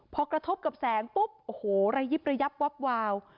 พอกระทบกับแสงปุ๊บโอ้โหระยิบระยับวับวาว